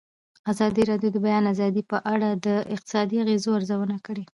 ازادي راډیو د د بیان آزادي په اړه د اقتصادي اغېزو ارزونه کړې.